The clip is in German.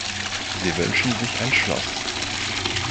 Sie wünschen sich ein Schloss.